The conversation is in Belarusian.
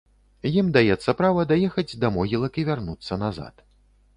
Ім даецца права даехаць да могілак і вярнуцца назад.